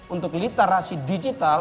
untuk literasi digital